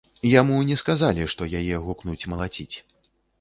Яму не сказалі, што яе гукнуць малаціць.